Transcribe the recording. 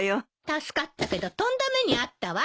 助かったけどとんだ目に遭ったわ。